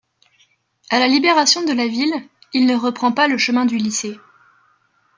À la libération de la ville, il ne reprend pas le chemin du lycée.